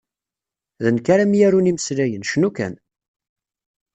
D nekk ara m-yarun imeslayen, cnu kan!